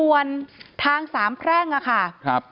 ส่วนทางสามแพร่งอะค่ะ